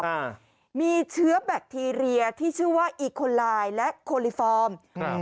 อ่ามีเชื้อแบคทีเรียที่ชื่อว่าอีโคลายและโคลิฟอร์มอืม